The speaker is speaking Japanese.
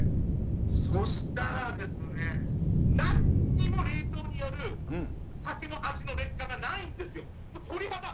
そしたらですね、なんにも冷凍による酒の味の劣化がないんですよ。